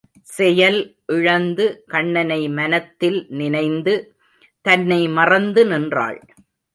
செயல் இழந்து கண்ணனை மனத்தில் நினைந்து தன்னை மறந்து நின்றாள்.